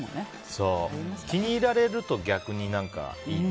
気に入られると逆にいい。